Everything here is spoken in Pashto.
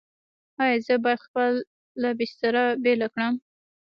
ایا زه باید خپله بستر بیله کړم؟